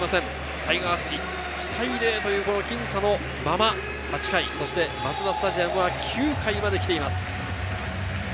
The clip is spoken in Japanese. タイガース、１対０という僅差のまま８回、そしてマツダスタジアムは９回まで来ています。